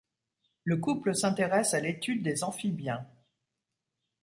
Le couple s’intéresse à l'étude des amphibiens.